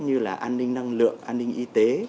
như là an ninh năng lượng an ninh y tế